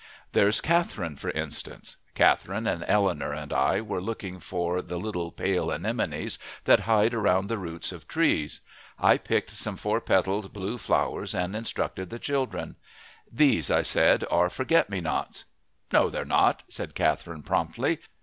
There's Catherine, for instance. Catherine and Eleanor and I were looking for the little pale anemones that hide around the roots of trees. I picked some four petaled blue flowers and instructed the children. "These," I said, "are forget me nots." "No, they're not," said Catherine promptly.